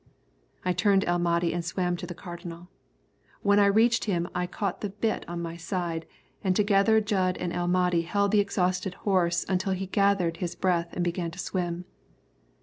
I turned El Mahdi and swam to the Cardinal. When I reached him I caught the bit on my side, and together Jud and El Mahdi held the exhausted horse until he gathered his breath and began to swim.